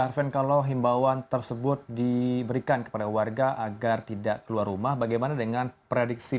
apakah ada hibauan dari pemerintah setempat pada masyarakat